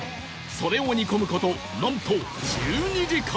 それを煮込む事なんと１２時間！？